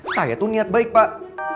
saya tuh niat baik pak